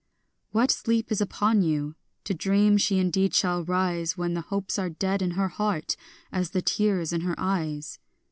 What sleep is upon you, to dream she indeed shall rise, When the hopes are dead in her heart as the tears in her eyes?